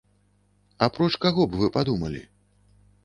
Апроч каго б вы падумалі?